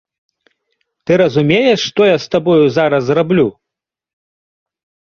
Ты разумееш, што я з табою зараз зраблю?!